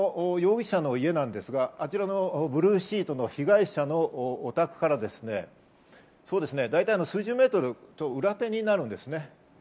この容疑者の家なんですが、ブルーシートの被害者のお宅から、だいたい数十メートル裏手になるんです。